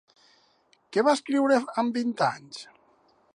Què va escriure amb vint anys?